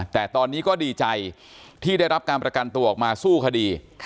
แต่ตอนนี้ก็ดีใจที่ได้รับการประกันตัวออกมาสู้คดี